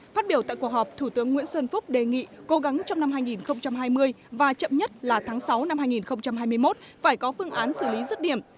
phát biểu tại cuộc họp thủ tướng nguyễn xuân phúc đề nghị cố gắng trong năm hai nghìn hai mươi và chậm nhất là tháng sáu năm hai nghìn hai mươi một phải có phương án xử lý rứt điểm